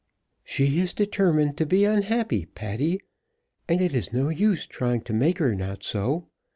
"She is determined to be unhappy, Patty, and it is no use trying to make her not so.